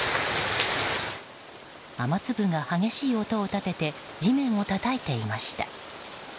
雨粒が激しい音を立てて地面をたたいていました。